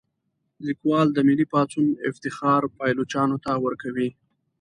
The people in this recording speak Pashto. لیکوال د ملي پاڅون افتخار پایلوچانو ته ورکوي.